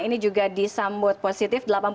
ini juga disambut positif delapan puluh tujuh persen